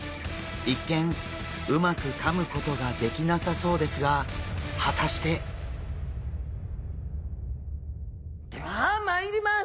一見うまくかむことができなさそうですが果たして？ではまいります。